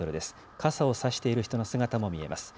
傘を差している人の姿も見えます。